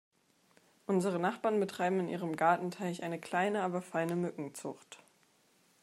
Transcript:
Unsere Nachbarn betreiben in ihrem Gartenteich eine kleine aber feine Mückenzucht.